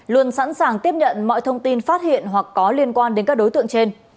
luôn sẵn sàng tiếp nhận mọi thông tin phát hiện hoặc có liên quan đến các đối tượng trên